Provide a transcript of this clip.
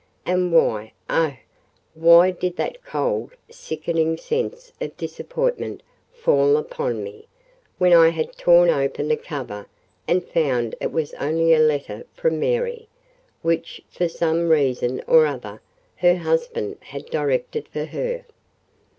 and why—oh! why did that cold, sickening sense of disappointment fall upon me, when I had torn open the cover and found it was only a letter from Mary, which, for some reason or other, her husband had directed for her?